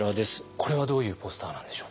これはどういうポスターなんでしょう？